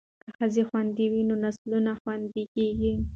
که ښځې خوندي وي نو نسلونه خوندي کیږي.